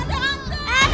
tuh ada hantu